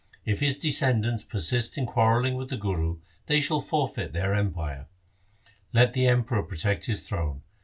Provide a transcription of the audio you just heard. If his descendants persist in quarrelling with the Guru, they shall forfeit their empire. Let the Emperor protect his throne.